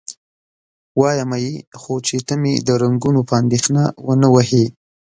وایمه یې، خو چې ته مې د رنګونو په اندېښنه و نه وهې؟